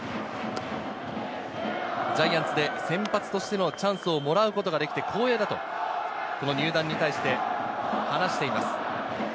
ジャイアンツで先発としてのチャンスをもらうことができて光栄だと、入団に対して話しています。